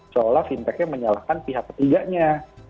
seolah fintech nya menyalahkan pihak ketiganya